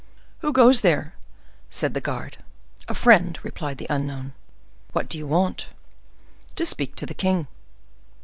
"Who goes there?" said the guard. "A friend," replied the unknown. "What do you want?" "To speak to the king."